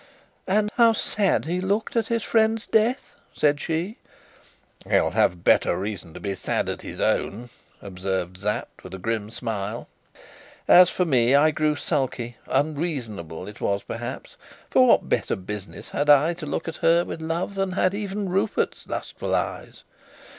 "And how sad he looked at his friend's death!" said she. "He'll have better reason to be sad at his own," observed Sapt, with a grim smile. As for me, I grew sulky; unreasonable it was perhaps, for what better business had I to look at her with love than had even Rupert's lustful eyes?